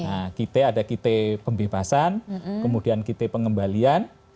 nah kit ada kit pembebasan kemudian kit pengembalian